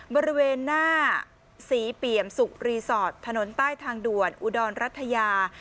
บริเวณหน้าศรีเปี่ยมสุกรีสอร์ทถนนใต้ทางด่วนอุดรรัฐยา